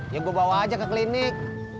ya gue bawa aja ke klinik